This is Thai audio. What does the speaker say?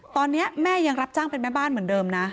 ตอนนี้แม่ยังรับจ้างเป็นแม่บ้านเหมือนเดิมนะ